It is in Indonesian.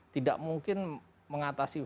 tidak mungkin mengatasi